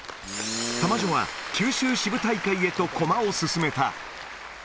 玉女は九州支部大会へと駒を進めた。